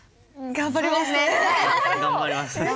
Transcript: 頑張ります。